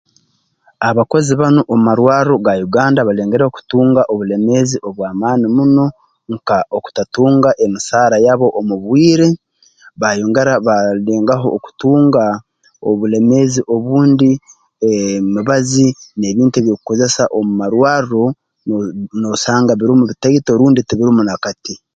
Abakozi banu omu marwarro ga Uganda balengereho kutunga obuleemezi obw'amaani muno nka okutatunga emisaara yabo omu bwire baayongera baalengaho okutunga obuleemeezi obundi emibazi n'ebintu eby'okukozesa omu marwarro noosanga birumu bitaito rundi tibirumu na kati